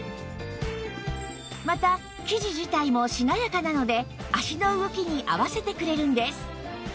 また生地自体もしなやかなので足の動きに合わせてくれるんです